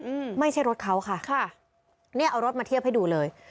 อืมไม่ใช่รถเขาค่ะค่ะเนี้ยเอารถมาเทียบให้ดูเลย